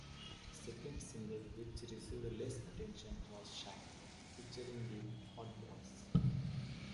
The second single, which received less attention, was "Shine" featuring the Hot Boys.